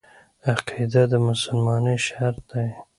عقیده د مسلمانۍ شرط دی.